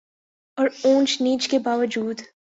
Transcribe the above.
اور اونچ نیچ کے باوجود